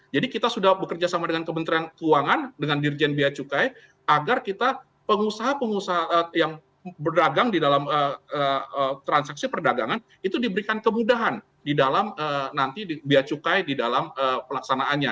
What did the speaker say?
jadi kita sudah bekerja sama dengan kementerian keuangan dengan dirjen beacukai agar kita pengusaha pengusaha ya perdagangan di dalam transaksi perdagangan itu diberikan kemudahan di dalam nanti di beacukai di dalam pelaksanaannya